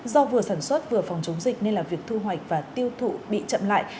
do vừa sản xuất vừa phòng chống dịch nên là việc thu hoạch và tiêu thụ bị chậm lại